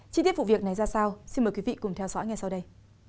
chi tiết vụ việc này ra sao xin mời quý vị cùng theo dõi ngay sau đây